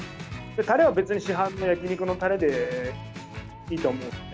タレは別に市販の焼き肉のタレでいいと思うので。